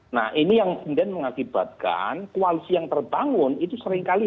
nah ini yang kemudian mengakibatkan koalisi yang terbangun itu seringkali